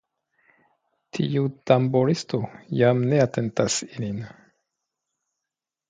Tiu tamburisto, jam ne atentas ilin.